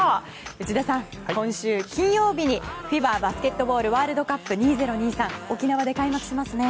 内田さん、今週金曜日にＦＩＢＡバスケットボールワールドカップ２０２３沖縄で開幕しますね。